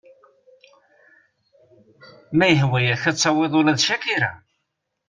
Ma yehwa-yak ad tawiḍ ula d CHAKIRA.